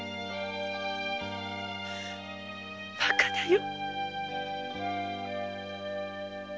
バカだよ。